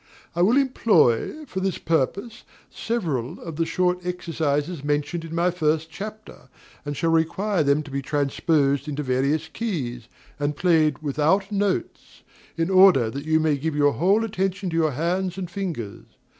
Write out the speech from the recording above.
I will employ, for this purpose, several of the short exercises mentioned in my first chapter, and shall require them to be transposed into various keys, and played without notes, in order that you may give your whole attention to your hands and fingers.